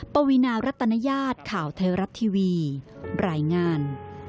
สวัสดีครับ